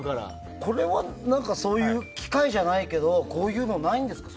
これは、機械じゃないけどこういうの、ないんですか？